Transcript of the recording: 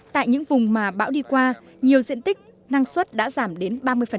tại những vùng mà bão đi qua nhiều diện tích năng suất đã giảm đến ba mươi